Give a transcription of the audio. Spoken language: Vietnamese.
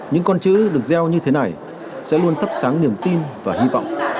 những con chữ được gieo như thế này sẽ luôn thắp sáng niềm tin và hy vọng